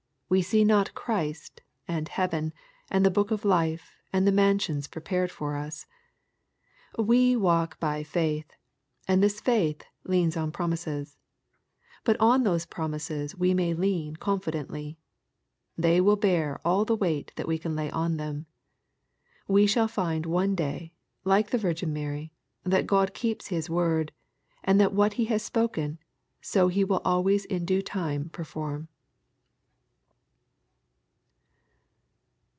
We see not Christ, and heaven, and the book of life and the mansions prepared for us. We walk by faith, and this faith leans on promises. But on those promises we may lean confidently. They will bear all the weight we can lay on them. We shall find one day, like the Virgin Mary, that God keeps His word, and that what He has spoken, so He will always in due time perform.